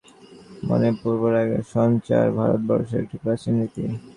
আলেখ্য-দর্শনে নায়ক-নায়িকার মনে পূর্বরাগের সঞ্চার ভারতবর্ষের একটি প্রাচীন রীতি।